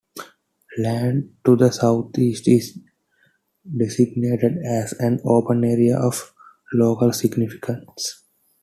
Land to the south-east is designated as an open area of local significance.